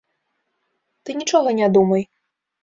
Ты нічога не думай.